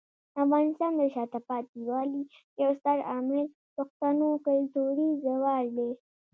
د افغانستان د شاته پاتې والي یو ستر عامل پښتنو کلتوري زوال دی.